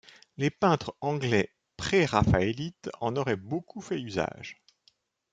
Les peintres anglais préraphaélites en auraient beaucoup fait usage.